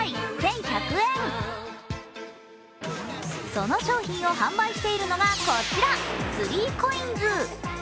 その商品を販売しているのがこちら３ＣＯＩＮＳ。